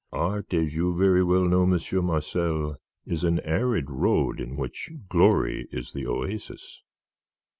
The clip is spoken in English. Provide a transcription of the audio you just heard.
Art, as you very well know, Monsieur Marcel, is an arid road, in which glory is the oasis."